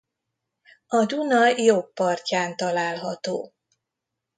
A Duna jobb partján található.